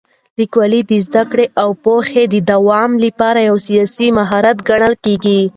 لیکوالی د زده کړې او پوهې د دوام لپاره یو اساسي مهارت ګڼل کېږي.